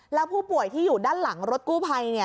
แล้วผู้ป่วยที่อยู่ด้านหลังรถกู้ภัย